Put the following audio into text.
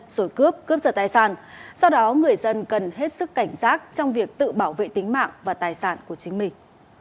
rồi cướp cướp giật tài sản do đó người dân cần hết sức cảnh giác trong việc tự bảo vệ tính mạng và tài sản của chính mình